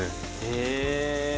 へえ。